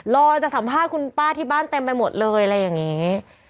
รอจะสัมภาษณ์คุณป้าที่บ้านเต็มไปหมดเลยอะไรอย่างนี้